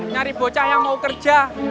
nyari bocah yang mau kerja